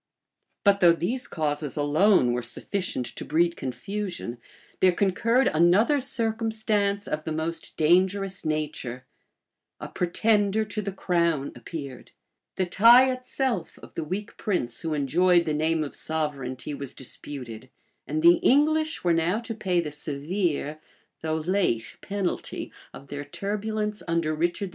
But though these causes alone were sufficient to breed confusion, there concurred another circumstance of the most dangerous, nature: a pretender to the crown appeared: the tie itself of the weak prince who enjoyed the name of sovereignty, was disputed; and the English were now to pay the severe though late penalty of their turbulence under Richard II.